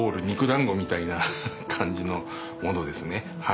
肉だんごみたいな感じのものですね。